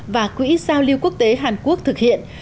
và quỹ giao lưu quốc tế hàn quốc thực hiện